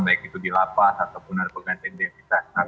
baik itu dilapas ataupun ada penggantian di atas